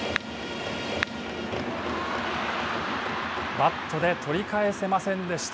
バットで取り返せませんでした。